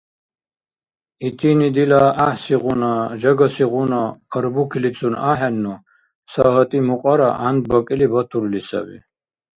Итини дила гӀяхӀсигъуна, жагасигъуна арбукилицун ахӀенну, ца гьатӀи мукьара гӀяндбакӀили батурли саби.